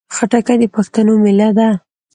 خټکی د پښتنو مېله ده.